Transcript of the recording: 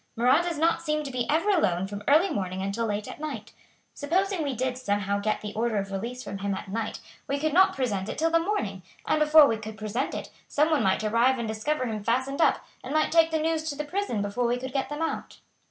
Marat does not seem to be ever alone from early morning until late at night. Supposing we did somehow get the order of release from him at night we could not present it till the morning, and before we could present it some one might arrive and discover him fastened up, and might take the news to the prison before we could get them out."